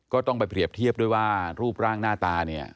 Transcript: ก็ต้องไปเปรียบเทียบด้วยว่ารูปร่างหน้าตาเนี่ย